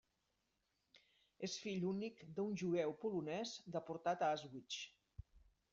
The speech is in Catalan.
És fill únic d'un jueu polonès deportat a Auschwitz.